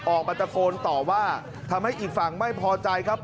ออกมาตะโกนต่อว่าทำให้อีกฝั่งไม่พอใจครับ